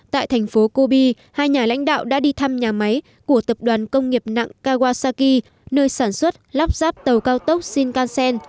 tại thành phố kobi hai nhà lãnh đạo đã đi thăm nhà máy của tập đoàn công nghiệp nặng kawasaki nơi sản xuất lắp ráp tàu cao tốc shinkansen